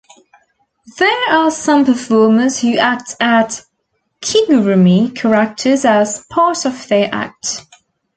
There are some performers who act at "kigurumi" characters as part of their act.